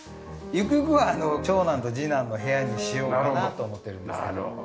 ゆくゆくは長男と次男の部屋にしようかなと思ってるんですけど。